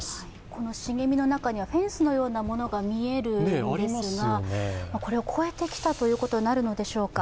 この茂みの中にはフェンスのようなものが見えるんですが、これを越えてきたということになるのでしょうか。